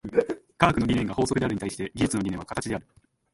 科学の理念が法則であるに対して、技術の理念は形である。